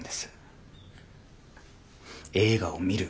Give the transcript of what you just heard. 映画を見る。